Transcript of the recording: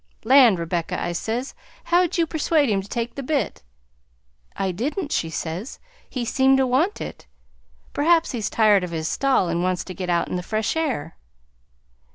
'Land, Rebecca,' I says, 'how'd you persuade him to take the bit?' 'I didn't,' she says, 'he seemed to want it; perhaps he's tired of his stall and wants to get out in the fresh air.'"